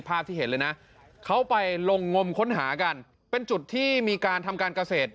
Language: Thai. ภาพที่เห็นเลยนะเขาไปลงงมค้นหากันเป็นจุดที่มีการทำการเกษตร